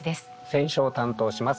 選書を担当します